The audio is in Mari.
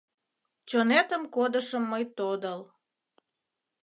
Чонетым кодышым мый тодыл